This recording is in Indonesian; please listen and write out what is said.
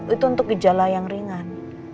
itu untuk gejala yang ringan